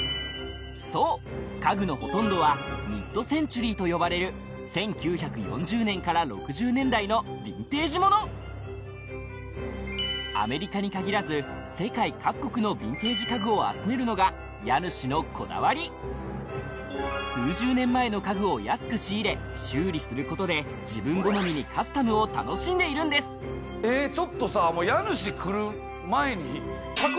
そう家具のほとんどはミッドセンチュリーと呼ばれる１９４０年から６０年代のヴィンテージものアメリカに限らず世界各国のヴィンテージ家具を集めるのが家主のこだわりを楽しんでいるんですえっちょっとさ。